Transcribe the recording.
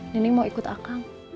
neneng mau ikut akang